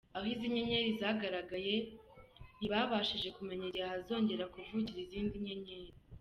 Aho izi nyenyeri zagaragaye ntibabashije kumenya igihe hazongera kuvukira izindi nyenyeri.